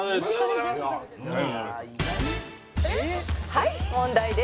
「はい問題です」